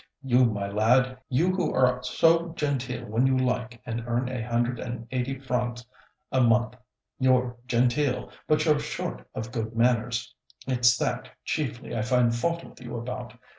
"You, my lad, you who are so genteel when you like, and earn a hundred and eighty francs a month, you're genteel, but you're short of good manners, it's that chiefly I find fault with you about.